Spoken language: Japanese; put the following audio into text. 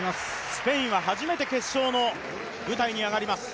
スペインは初めて決勝の舞台に上がります。